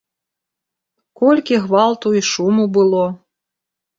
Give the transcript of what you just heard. Колькі гвалту і шуму было.